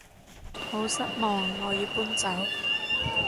好失望我要搬走